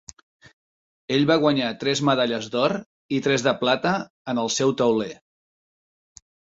Ell va guanyar tres medalles d'or i tres de plata en el seu tauler.